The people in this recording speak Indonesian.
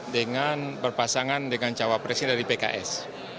dengan berpasangan dengan cawa presiden dari pks